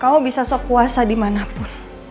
kamu bisa sok kuasa dimanapun